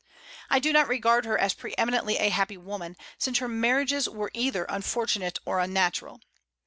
I do not regard her as pre eminently a happy woman, since her marriages were either unfortunate or unnatural.